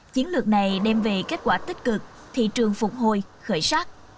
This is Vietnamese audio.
chiến lược này đem về kết quả tích cực thị trường phục hồi khởi sắc